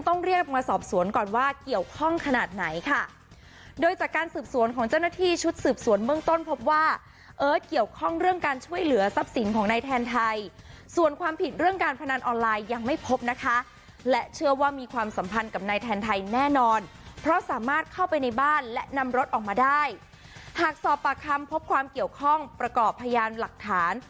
ต้องเรียกมาสอบสวนก่อนว่าเกี่ยวข้องขนาดไหนค่ะโดยจากการสืบสวนของเจ้าหน้าที่ชุดสืบสวนเมืองต้นพบว่าเอิร์ดเกี่ยวข้องเรื่องการช่วยเหลือทรัพย์สินของในแทนไทยส่วนความผิดเรื่องการพนันออนไลน์ยังไม่พบนะคะและเชื่อว่ามีความสัมพันธ์กับในแทนไทยแน่นอนเพราะสามารถเข้าไปในบ้านและนำรถ